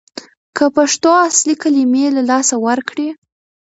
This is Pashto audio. که پښتو اصلي کلمې له لاسه ورکړي